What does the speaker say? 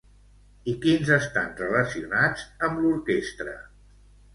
I quins estan relacionats amb l'orquestra?